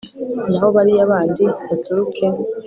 naho bariya bandi baturuke